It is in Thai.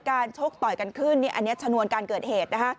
การชกต่อยกันขึ้นเนี่ยอันนี้ชะนวนการเกิดเหตุ